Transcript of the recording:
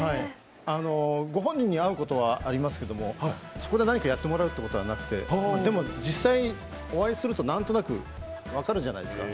ご本人に会うことはありますけどもそこで何かやってもらうということはなくて、でも、実際お会いするとなんとなく分かるじゃないですか。